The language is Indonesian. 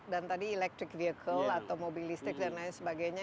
dan tadi electric vehicle atau mobilistik dan lain sebagainya